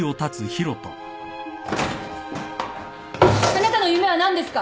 あなたの夢は何ですか。